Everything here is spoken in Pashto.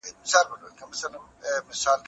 ایا کولای سو چی د فقر کچه په بشپړه توګه ټیټه کړو؟